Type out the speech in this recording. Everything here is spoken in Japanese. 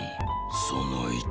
その１。